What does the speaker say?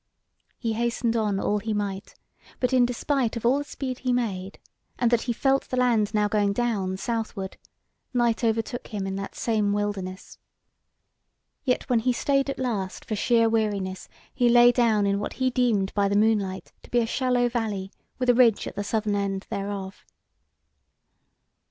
He hastened on all he might, but in despite of all the speed he made, and that he felt the land now going down southward, night overtook him in that same wilderness. Yet when he stayed at last for sheer weariness, he lay down in what he deemed by the moonlight to be a shallow valley, with a ridge at the southern end thereof.